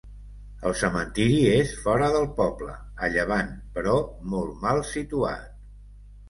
El cementiri és fora del poble, a llevant, però molt mal situat.